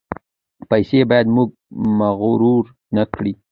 پیسې باید موږ مغرور نکړي.